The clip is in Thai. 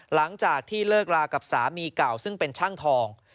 หลังจากที่เลิกรากับสามีเก่าซึ่งเป็นช่างทอง